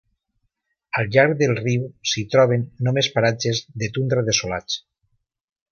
Al llarg del riu s'hi troben només paratges de tundra desolats.